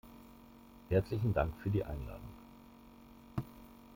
Herzlichen Dank für die Einladung.